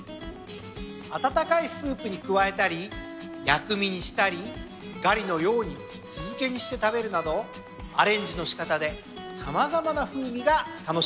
温かいスープに加えたり薬味にしたりガリのように酢漬けにして食べるなどアレンジの仕方で様々な風味が楽しめます。